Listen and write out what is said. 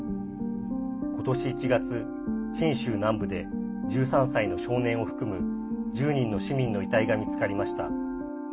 ことし１月、チン州南部で１３歳の少年を含む１０人の市民の遺体が見つかりました。